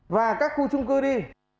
và các khu trung cư đi